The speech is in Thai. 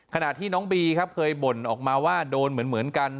ขณะที่น้องบีครับเคยบ่นออกมาว่าโดนเหมือนกัน